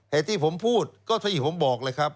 เหตุที่ผมพูดก็เท่าที่ผมบอกเลยครับ